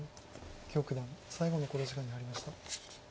許九段最後の考慮時間に入りました。